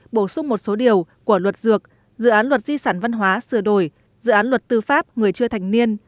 bổ sung một số điều của luật dược dự án luật di sản văn hóa sửa đổi dự án luật tư pháp người chưa thành niên